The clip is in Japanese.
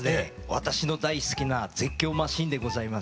私の大好きな絶叫マシンでございます。